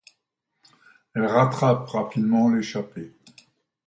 Elle rattrape rapidement l'échappée.